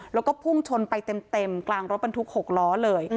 แล้วก็พุ่งชนไปเต็มกลางรถบรรทุก๖ล้อเลย